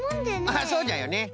ああそうじゃよねうん。